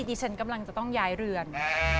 ดิฉันกำลังจะต้องย้ายเรือน